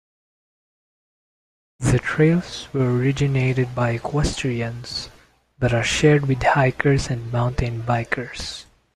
The trails were originated by equestrians but are shared with hikers and mountain bikers.